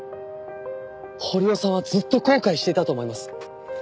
堀尾さんはずっと後悔していたと思います。